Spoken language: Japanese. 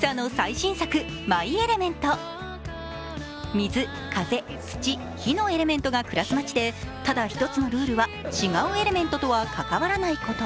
水・風・土・火のエレメントが暮らす街で、ただ一つのルールは、違うエレメントとは関わらないこと。